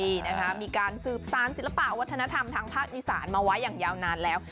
นี่นะคะมีการสืบสารศิลปะวัฒนธรรมทางภาคอีสานมาไว้อย่างยาวนานแล้ว